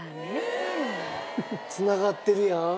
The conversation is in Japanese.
繋がってるやん。